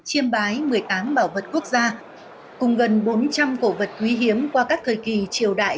chiêm bái một mươi tám bảo vật quốc gia cùng gần bốn trăm linh cổ vật quý hiếm qua các thời kỳ triều đại